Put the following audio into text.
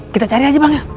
kita cari aja bang ya